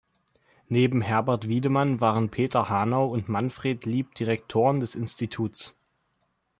Neben Herbert Wiedemann waren Peter Hanau und Manfred Lieb Direktoren des Instituts.